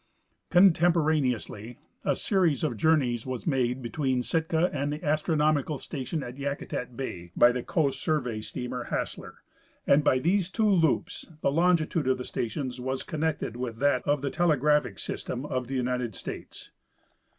Contemporaneously a series of journeys w^as made between Sitka and the astronomical station at Yakutat bay by the Coast Survey Steamer Hassler, and by these two loops the longitude of the stations was connected with that of the telegraphic system of the United States.